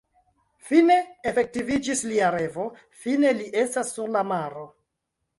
Fine efektiviĝis lia revo, fine li estas sur la maro!